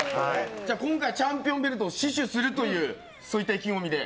今回チャンピオンベルトを死守するという意気込みで。